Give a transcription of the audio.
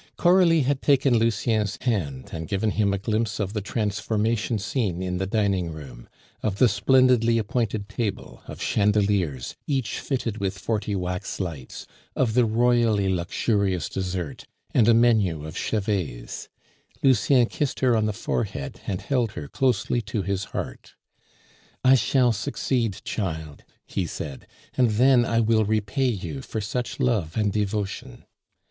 Coralie had taken Lucien's hand and given him a glimpse of the transformation scene in the dining room, of the splendidly appointed table, of chandeliers, each fitted with forty wax lights, of the royally luxurious dessert, and a menu of Chevet's. Lucien kissed her on the forehead and held her closely to his heart. "I shall succeed, child," he said, "and then I will repay you for such love and devotion."